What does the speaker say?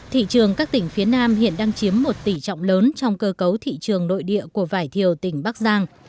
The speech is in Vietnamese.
thị trường các tỉnh phía nam hiện đang chiếm một tỉ trọng lớn trong cơ cấu thị trường nội địa của vải thiều tỉnh bắc giang